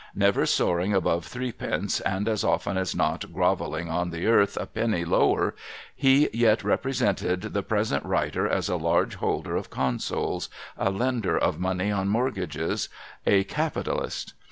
Never soaring above threepence, and as ofteii as not grovelling on the earth a penny lower, he yet represented the present writer as a large holder of Consols, a lender of money on mortgage, a Capitalist.